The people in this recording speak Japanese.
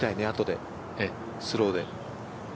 あとで、スローで。